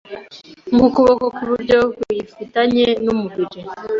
nk’uko ukuboko kw’iburyo kuyifitanye n’umubiri.